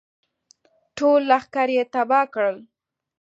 ټول لښکر یې تباه کړل.